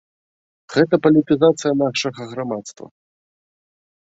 Гэта палітызацыя нашага грамадства.